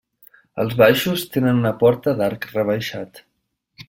Els baixos tenen una porta d'arc rebaixat.